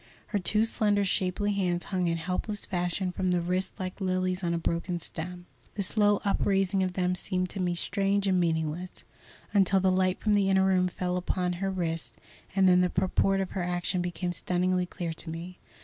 Her two slender, shapely hands hung in helpless fashion from the wrists like lilies on a broken stem. The slow upraising of them seemed to me strange and meaningless, until the light from the inner room fell upon her wrists, and then the purport of her action became stunningly clear to me.